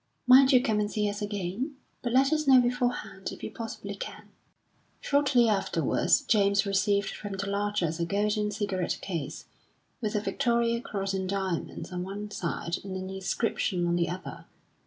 "Mind you come and see us again. But let us know beforehand, if you possibly can." Shortly afterwards James received from the Larchers a golden cigarette case, with a Victoria Cross in diamonds on one side and an inscription on the other.